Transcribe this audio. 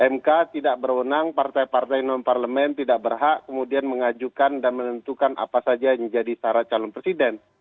mk tidak berwenang partai partai non parlemen tidak berhak kemudian mengajukan dan menentukan apa saja yang menjadi syarat calon presiden